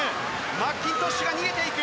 マッキントッシュが逃げていく。